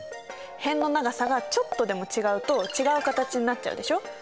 辺の長さがちょっとでも違うと違う形になっちゃうでしょ。